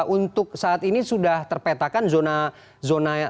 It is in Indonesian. untuk saat ini sudah terpetakan zona zona